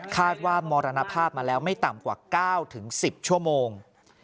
ว่ามรณภาพมาแล้วไม่ต่ำกว่า๙๑๐ชั่วโมง